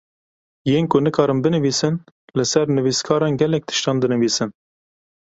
Yên ku nikarin binivîsin li ser nivîskaran gelek tiştan dinivîsin.